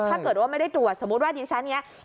ถ้าเกิดว่าไม่ได้ตรวจสมมุติว่าดิฉันอย่างนี้